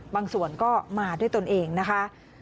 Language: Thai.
บางส่วนก็มาด้วยตนเองนะคะ